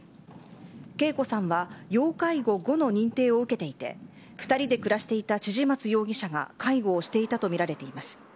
桂子さんは、要介護５の認定を受けていて、２人で暮らしていた千々松容疑者が介護をしていたと見られています。